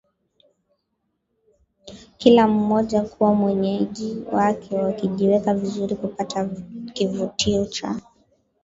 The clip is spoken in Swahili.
kila mmoja kuwa mwenyeji wake wakijiweka vizuri kupata kivutio cha